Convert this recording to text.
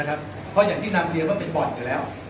นะครับเพราะอย่างที่นาบเลียว่าเป็นบอร์ดอยู่แล้ว